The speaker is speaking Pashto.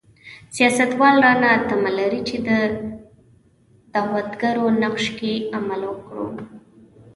سیاستوال رانه تمه لري چې دعوتګرو نقش کې عمل وکړو.